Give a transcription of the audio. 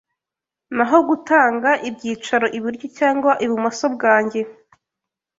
naho gutanga ibyicaro iburyo cyangwa ibumoso bwanjye